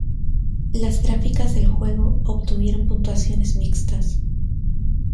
Las gráficas del juego, obtuvieron puntuaciones mixtas.